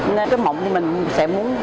nên mộng mình sẽ muốn